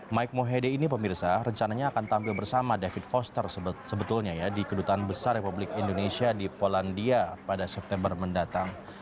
mike mohede ini pemirsa rencananya akan tampil bersama david foster sebetulnya ya di kedutaan besar republik indonesia di polandia pada september mendatang